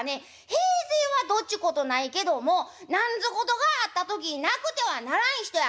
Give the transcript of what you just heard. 平生はどうっちゅうことないけども何ぞ事があった時になくてはならん人や。